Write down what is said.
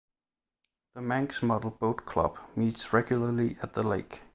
The Manx Model Boat Club meets regularly at the lake.